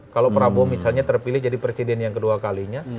kalau prabowo misalnya terpilih jadi presiden yang kedua kalinya